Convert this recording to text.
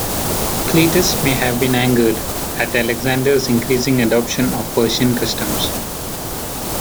Cleitus may have been angered at Alexander's increasing adoption of Persian customs.